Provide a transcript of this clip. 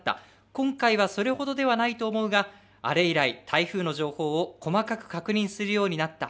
今回はそれほどではない思うがあれ以来、台風の情報を細かく確認するようになった。